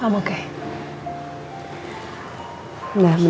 aku suapin kamu udah orang tau